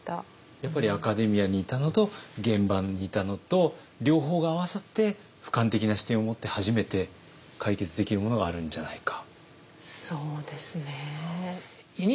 やっぱりアカデミアにいたのと現場にいたのと両方が合わさって俯瞰的な視点を持って初めて解決できるものがあるんじゃないか。